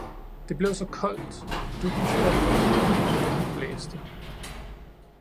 Det blev så koldt, duggen faldt og vinden blæste.